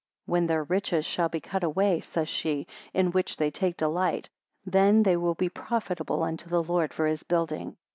When their riches shall be cut away, says she, in which they take delight, then they will be profitable unto the Lord for his building.